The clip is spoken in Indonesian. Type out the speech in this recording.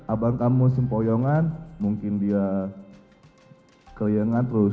abang kamu sempoyongan mungkin dia keliangan terus